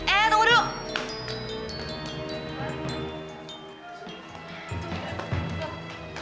eh tunggu dulu